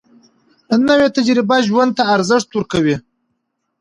نوې تجربه ژوند ته ارزښت ورکوي